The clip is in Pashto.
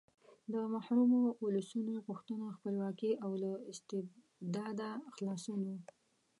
د محرومو ولسونو غوښتنه خپلواکي او له استبداده خلاصون و.